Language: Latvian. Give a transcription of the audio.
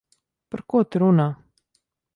Par ko tu runā?